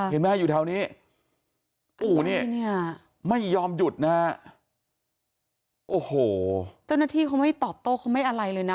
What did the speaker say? เห็นไหมฮะอยู่แถวนี้โอ้โหนี่ไม่ยอมหยุดนะฮะโอ้โหเจ้าหน้าที่เขาไม่ตอบโต้เขาไม่อะไรเลยนะ